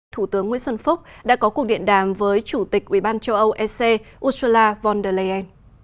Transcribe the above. thủ tướng nguyễn xuân phúc đã có cuộc điện đàm với chủ tịch ubnd châu âu ec ursula von der leyen